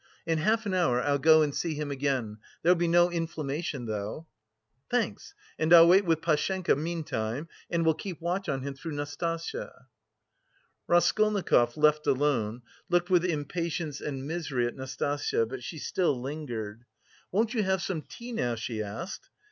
In half an hour I'll go and see him again.... There'll be no inflammation though." "Thanks! And I'll wait with Pashenka meantime and will keep watch on him through Nastasya...." Raskolnikov, left alone, looked with impatience and misery at Nastasya, but she still lingered. "Won't you have some tea now?" she asked.